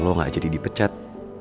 lo gak jadi dipecat